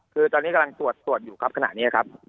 คือตอนนี้กำลังตรวจสวดอยู่ครับขณะนี้ครับ